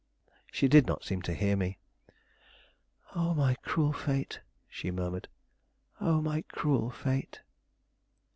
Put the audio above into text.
She did not seem to hear me. "Oh, my cruel fate!" she murmured. "Oh, my cruel fate!"